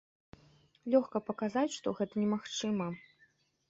Лёгка паказаць, што гэта немагчыма.